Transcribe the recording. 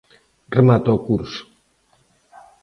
Remata o curso.